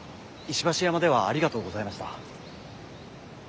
石橋山ではありがとうございました。